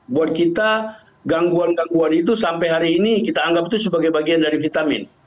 buat kita gangguan gangguan itu sampai hari ini kita anggap itu sebagai bagian dari vitamin